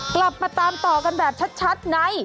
กลับมาตามต่อกันแบบชัดใน